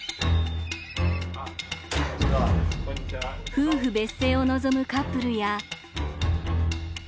夫婦別姓を望むカップルや。